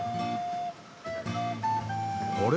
あれ？